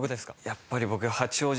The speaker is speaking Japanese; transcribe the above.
やっぱり僕。